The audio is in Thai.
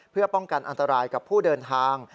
เพื่อป้องกันอันตรายกับผู้เดินทาง